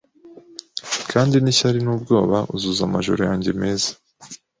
Kandi nishyari nubwoba Uzuza amajoro yanjye meza